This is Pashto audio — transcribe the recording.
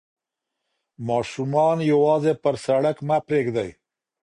ماشومان یوازې پر سړک مه پریږدئ.